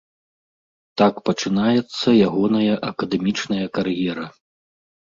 Так пачынаецца ягоная акадэмічная кар'ера.